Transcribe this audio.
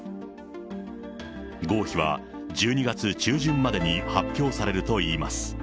合否は１２月中旬までに発表されるといいます。